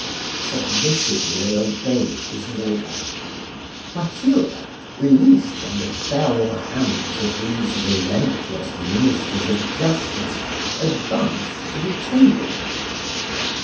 Submissively they obeyed his order. Matilda, released from the fell hands of these relentless ministers of justice, advanced to the table.